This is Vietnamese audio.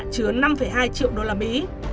chứa năm hai triệu đô la mỹ